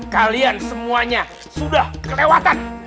kalian semuanya sudah kelewatan